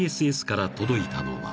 ［から届いたのは］